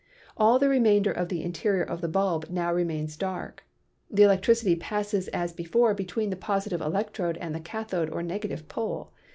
All the remainder of the interior of the bulb now remains dark. The electricity passes as before between the positive electrode and the cathode or negative po le.